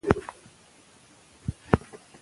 هره پروسه چې روښانه وي، باور پیاوړی کوي.